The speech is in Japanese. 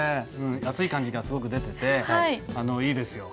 暑い感じがすごく出てていいですよ